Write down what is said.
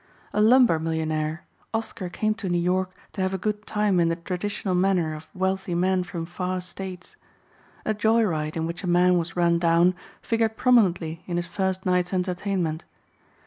A lumber millionaire, Oscar came to New York to have a good time in the traditional manner of wealthy men from far states. A joyride in which a man was run down figured prominently in his first night's entertainment.